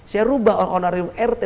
saya berubah honorarium rt